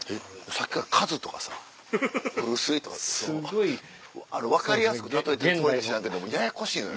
さっきからカズとかさブルース・リーとか分かりやすく例えてるつもりかしらんけどもややこしいのよ。